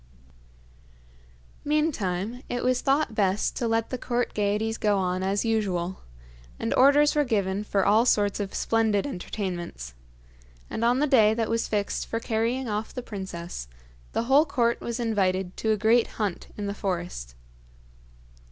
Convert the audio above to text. Meantime, it was thought best to let the court gaieties go on as usual, and orders were given for all sorts of splendid entertainments; and on the day that was fixed for carrying off the princess, the whole court was invited to a great hunt in the forest.